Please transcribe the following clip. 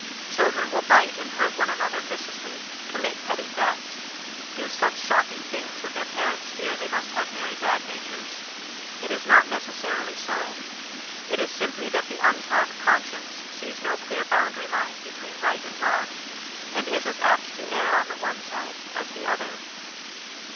Children will bite and hurt one another viciously, commit petty thefts, do such shocking things that their parents fear they must have very bad natures : it is not necessarily so ; it is simply that the untaught conscience sees no clear boundary line between right and wrong, and is as apt to err on the one side as the other.